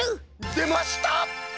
でました！